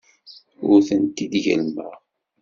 Ur tent-id-gellmeɣ.